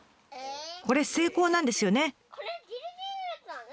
これ成功なんですよね？